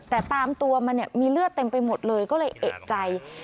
แต่ตามตัวมันเนี่ยมีเลือดเต็มไปหมดเลยก็เลยเอกใจ